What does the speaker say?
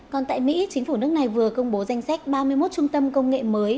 còn tại mỹ chính phủ nước này vừa công bố danh sách ba mươi một trung tâm công nghệ mới